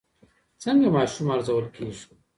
څنګه ماشوم ارزول کېږي؟